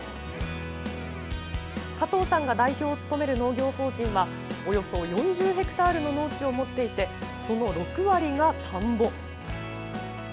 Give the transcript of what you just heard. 加藤さんが代表を務める農業法人はおよそ４０ヘクタールの農地を持っていてそのうち６割が田んぼ。